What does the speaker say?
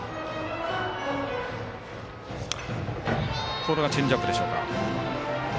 これはチェンジアップでしょうか。